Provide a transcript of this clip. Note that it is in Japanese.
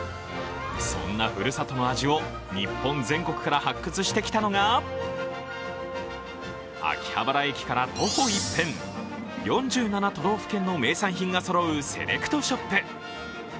そんなふるさとの味を、日本全国から発掘してきたのが、秋葉原駅から徒歩１分、４７都道府県の名産品がそろうセレクトショップ。